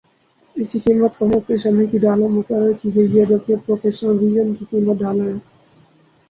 اسکی قیمت کم و بیش امریکی ڈالر مقرر کی گئ ہے جبکہ پروفیشنل ورژن کی قیمت ڈالر ہے